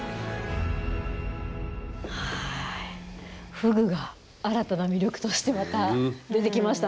フグが新たな魅力としてまた出てきましたね。